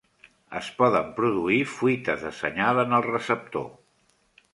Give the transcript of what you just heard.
Es poden produir fuites de senyal en el receptor.